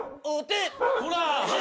ほら！